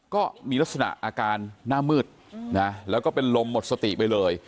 ก็มีลักษณะอาการหน้ามืดนะแล้วก็เป็นลมหมดสติไปเลย